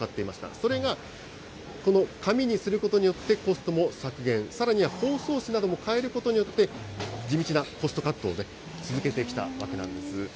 それがこの紙にすることによって、コストも削減、さらには包装紙なども変えることによって、地道なコストカットを続けてきたわけなんです。